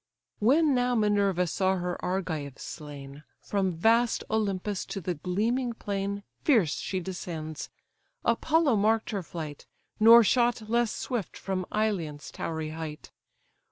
When now Minerva saw her Argives slain, From vast Olympus to the gleaming plain Fierce she descends: Apollo marked her flight, Nor shot less swift from Ilion's towery height.